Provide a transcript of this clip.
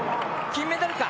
金メダルか？